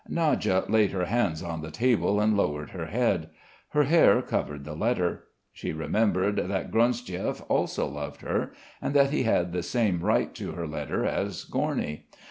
Nadya laid her hands on the table and lowered her head. Her hair covered the letter. She remembered that Gronsdiev also loved her, and that he had the same right to her letter as Gorny.